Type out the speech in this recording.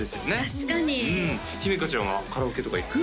確かに姫華ちゃんはカラオケとか行く？